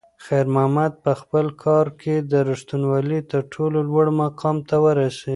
خیر محمد په خپل کار کې د رښتونولۍ تر ټولو لوړ مقام ته ورسېد.